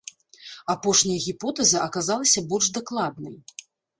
Апошняя гіпотэза аказалася больш дакладнай.